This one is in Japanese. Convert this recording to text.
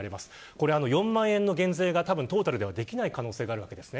これは４万円の減税がトータルではできない可能性があります。